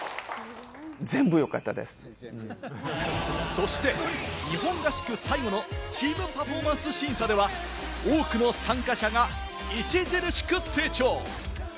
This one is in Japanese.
そして、日本合宿最後のチーム・パフォーマンス審査では、多くの参加者が著しく成長。